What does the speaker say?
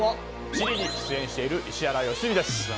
「地理」に出演している石原良純です。